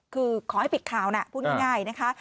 คือขอให้ปิดข่าวนะพูดง่ายนะคะ